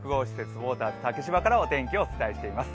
ウォーターズ竹芝からお伝えしています。